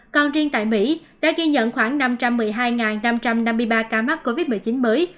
còn riêng tại mỹ đã ghi nhận khoảng năm trăm một mươi hai năm trăm năm mươi ba ca mắc covid một mươi chín mới